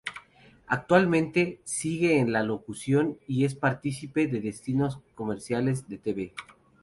Actualmente sigue en la locución y es participe de distintos comerciales de tv.